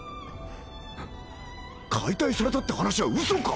はっ解体されたって話は嘘か？